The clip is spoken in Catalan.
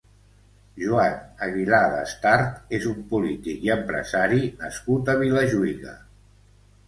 Joan Aguilar Destart és un polític i empresari nascut a Vilajuïga.